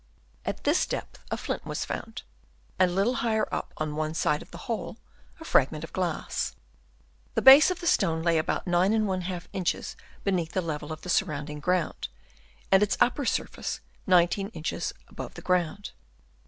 At this depth a flint was found, and a little higher up on one side of the hole a fragment of glass. The base of the stone 158 GREAT STONES Chap. III. lay about 9^ inches beneath the level of the surrounding ground, and its upper surface 19 inches above the ground.